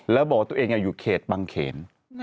แล้วบอกว่าตัวเองอยู่เขตบังเขน